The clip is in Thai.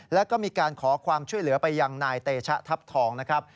แล้วก็มีการขอความช่วยเหลือไปยังนายเตชะทัพทองนะครับ